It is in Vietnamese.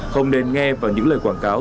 không nên nghe vào những lời quảng cáo